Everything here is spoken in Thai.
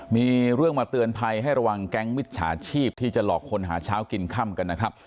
มีเรื่องมาเตือนภัยให้ระวังแก๊งมิจฉาชีพที่จะหลอกคนหาเช้ากินค่ำกันนะครับ